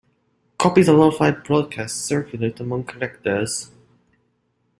Copies of all five broadcasts circulate among collectors.